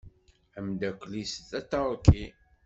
Amdakel-is d aṭerki.